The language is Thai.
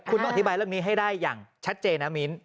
คุณต้องอธิบายเรื่องนี้ให้ได้อย่างชัดเจนนะมิ้น